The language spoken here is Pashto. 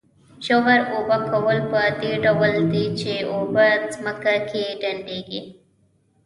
ژور اوبه کول په دې ډول دي چې اوبه په ځمکه کې ډنډېږي.